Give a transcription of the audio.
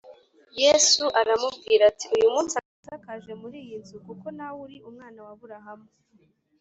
yesu aramubwira ati: “uyu munsi agakiza kaje muri iyi nzu, kuko na we ari umwana wa aburahamu”